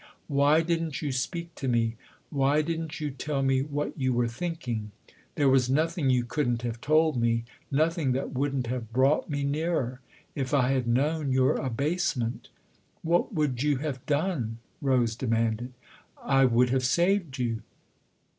" Why didn't you speak to me why didn't you tell me what you were thinking? There was nothing you couldn't have told me, nothing that wouldn't have brought me nearer. If I had known your abasement "" What would you have done ?" Rose demanded. " I would have saved you."